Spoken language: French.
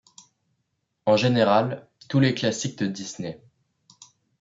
En général, tous les classiques de Disney.